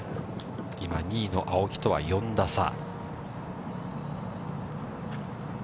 今２位の青木とは４打差。